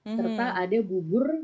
serta ada bubur